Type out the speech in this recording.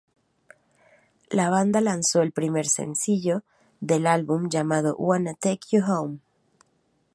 La banda lanzó el primer sencillo del álbum llamado "Wanna Take You Home".